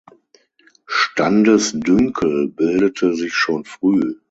Standesdünkel bildete sich schon früh.